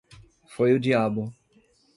Foi o diabo!